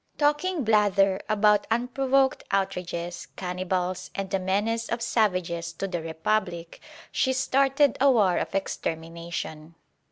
Talking blather about unprovoked outrages, cannibals, and a menace of savages to the Republic, she started a war of extermination.